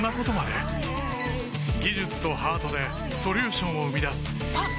技術とハートでソリューションを生み出すあっ！